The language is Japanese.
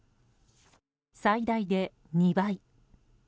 最大で２倍。